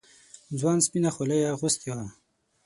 ځوان سپينه خولۍ اغوستې وه.